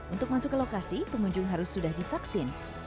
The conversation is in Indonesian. untuk masuk ke lokasi pengunjung harus sudah divaksin